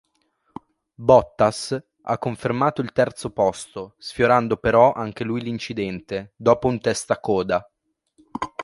Bottas ha confermato il terzo posto, sfiorando però anche lui l'incidente, dopo un testacoda.